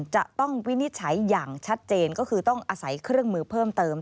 วินิจฉัยอย่างชัดเจนก็คือต้องอาศัยเครื่องมือเพิ่มเติม